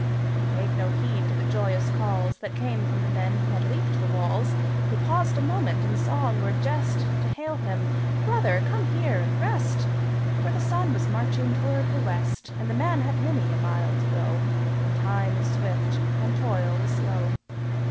He paid no heed to the joyous calls That came from men who had leaped the walls Who paused a moment in song or jest, To hail him "Brother, come here and rest!" For the Sun was marching toward the West, And the man had many a mile to go, And time is swift and toil is slow.